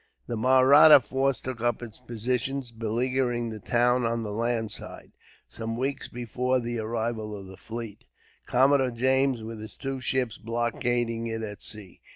The Mahratta force took up its position, beleaguering the town on the land side, some weeks before the arrival of the fleet; Commodore James, with his two ships, blockading it at sea.